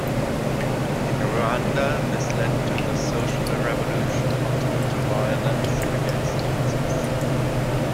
In Rwanda, this led to the "Social revolution" and Hutu violence against Tutsis.